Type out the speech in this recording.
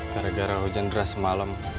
gara gara hujan deras semalam